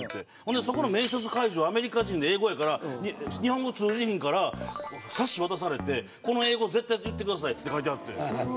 そこの面接会場アメリカ人の英語やから日本語通じひんから冊子渡されてこの英語絶対言ってくださいって書いてあって。